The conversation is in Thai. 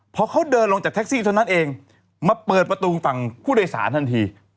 พอเขาเดินลงจากแท็กซี่เท่านั้นเองมาเปิดประตูฝั่งผู้โดยสารทันที